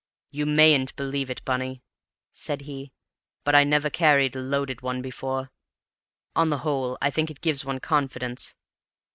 "You mayn't believe it, Bunny," said he, "but I never carried a loaded one before. On the whole I think it gives one confidence.